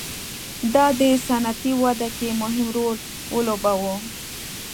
دا د صنعتي وده کې مهم رول ولوباوه.